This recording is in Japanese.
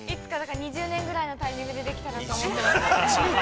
◆２０年ぐらいのタイミングでできたらと思います。